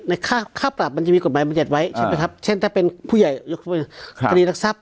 ในค่าปรับมันจะมีกฎหมายบัญญาณไว้ใช่เปล่าครับเช่นถ้าเป็นผู้ใหญ่คดีรักษัพ